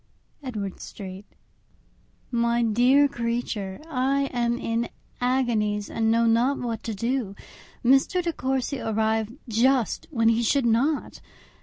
_ Edward Street. My dear Creature,—I am in agonies, and know not what to do. Mr. De Courcy arrived just when he should not.